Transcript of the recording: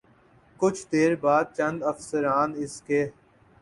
کچھ دیر بعد چند افسران اس کے